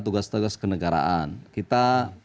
tugas tugas kenegaraan kita